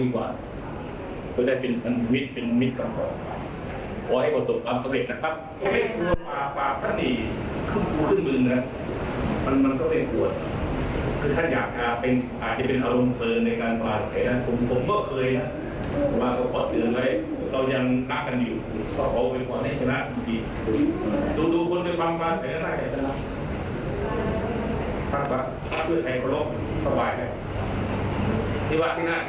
คุณครับ